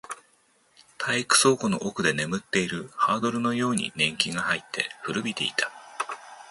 体育倉庫の奥で眠っているハードルのように年季が入って、古びていた